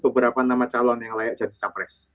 beberapa nama calon yang layak jadi capres